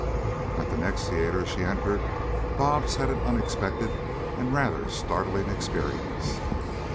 At the next theater she entered, Bobs had an unexpected and rather startling experience.